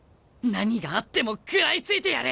何があっても食らいついてやる！